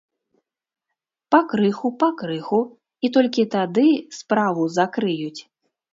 Пакрыху, пакрыху, і толькі тады справу закрыюць.